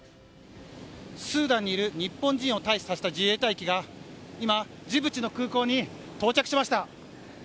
スーダンにいる日本人を退避させた自衛隊機が今、ジブチの空港に到着しました。